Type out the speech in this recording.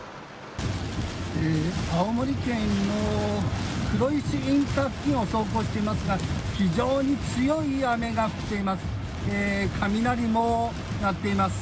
青森県、黒石インター付近を走行していますが非常に強い雨が降っています。